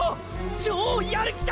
超闘る気だ！！